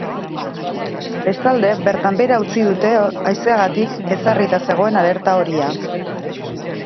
Bestalde, bertan behera utzi dute haizeagatik ezarrita zegoen alerta horia.